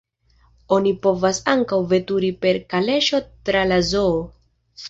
Oni povas ankaŭ veturi per kaleŝo tra la zoo.